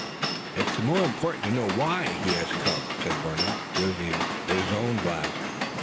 "It's more important to know why he has come," said Warner, using his own glasses.